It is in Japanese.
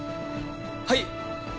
はい！